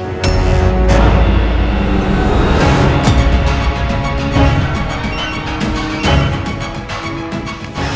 mas rara santang